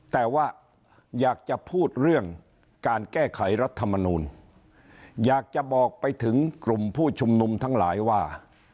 แต่ว่าอยากจะพูดเรื่องการแก้ไขรัฐมนูลอยากจะบอกไปถึงกลุ่มผู้ชุมนุมทั้งหลายว่า